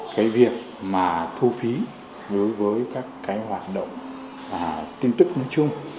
cái việc mà thu phí đối với các cái hoạt động tin tức nói chung